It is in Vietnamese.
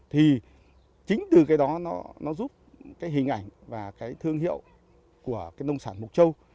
thì chính từ cái đó nó giúp hình ảnh và thương hiệu của nông sản mục châu